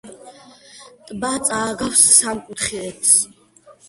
ტბა წააგავს სამკუთხედს.